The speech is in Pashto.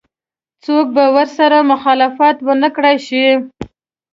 څوک به ورسره مخالفت ونه کړای شي.